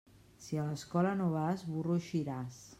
Si a l'escola no vas, burro eixiràs.